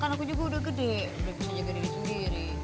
kan aku juga udah gede udah menjaga diri sendiri